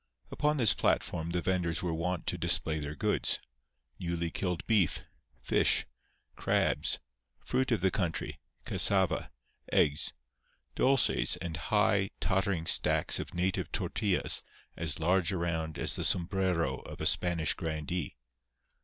Upon this platform the venders were wont to display their goods—newly killed beef, fish, crabs, fruit of the country, cassava, eggs, dulces and high, tottering stacks of native tortillas as large around as the sombrero of a Spanish grandee.